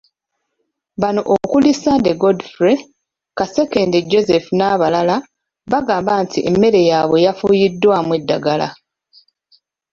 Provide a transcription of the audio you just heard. Bano okuli; Ssande Godfrey, Kasekende Joseph n'abalala, baagamba nti emmere yaabwe yafuuyiddwamu eddagala.